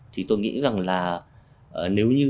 thì tôi nghĩ rằng là nếu như